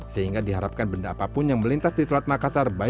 sehingga diharapkan benda apapun yang melintas di selat makassar